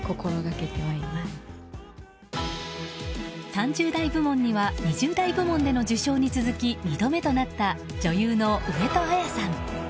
３０代部門には２０代部門での受賞に続き２度目となった女優の上戸彩さん。